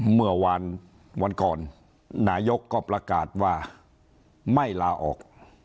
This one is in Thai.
เมื่อวานวันก่อนนายกก็ประกาศว่าไม่ลาออก